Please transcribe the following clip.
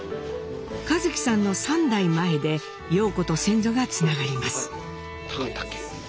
一喜さんの３代前で陽子と先祖がつながります。